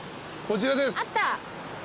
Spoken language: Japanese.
こちらです。